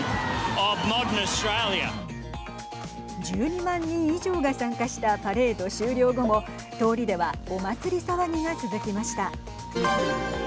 １２万人以上が参加したパレード終了後も通りではお祭り騒ぎが続きました。